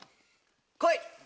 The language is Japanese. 来い！